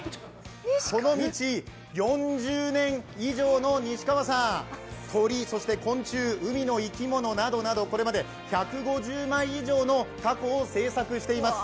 この道４０年以上の西川さん鳥、そして昆虫、海の生き物などなどこれまで１５０枚以上のたこを製作しています。